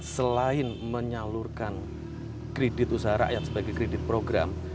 selain menyalurkan kredit usaha rakyat sebagai kredit program